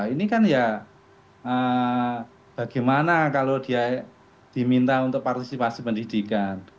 ini kan ya bagaimana kalau dia diminta untuk partisipasi pendidikan